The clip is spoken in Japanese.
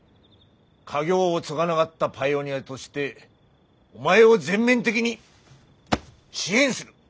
家業を継がながったパイオニアとしてお前を全面的に支援する！